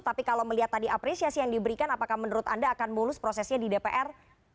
tapi kalau melihat tadi apresiasi yang diberikan apakah menurut anda akan mulus prosesnya di dpr